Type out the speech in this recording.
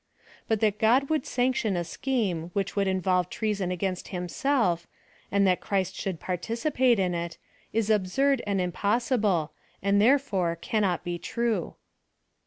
But that God would sanction a scheme which would involve treason aganist Himself, and that Christ should participate in it, is absurd and impossible, and therefore cannot be true.